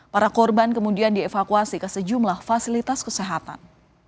para korban kemudian dievakuasi ke sejumlah fasilitas kesehatan